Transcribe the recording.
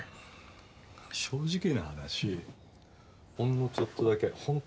正直な話ほんのちょっとだけ本当によ